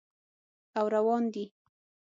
او روان دي